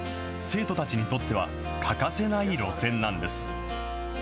生徒たちにとっては欠かせない路線なんです。